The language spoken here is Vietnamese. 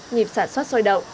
nhịp sản xuất sôi đậu